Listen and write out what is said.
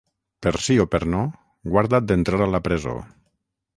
Per si o per no, guarda't d'entrar a la presó.